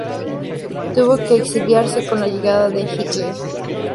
Tuvo que exiliarse con la llegada de Hitler.